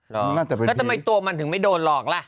แล้วทำไมตัวมันถึงไม่โดนหลอกละ